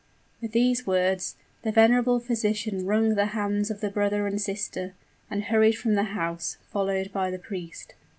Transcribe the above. With these words, the venerable physician wrung the hands of the brother and sister, and hurried from the house, followed by the priest.